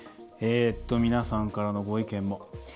皆さんからのご意見も。